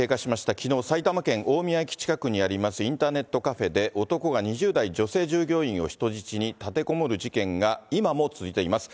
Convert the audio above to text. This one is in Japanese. きのう、埼玉県大宮駅近くにありますインターネットカフェで、男が２０代女性従業員を人質に立てこもる事件が、今も続いています。